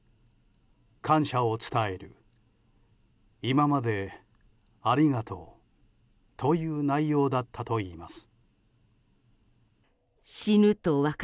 感謝を伝える今までありがとうという内容だったということです。